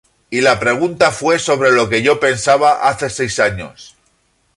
Y la pregunta fue sobre lo que yo pensaba hace seis años".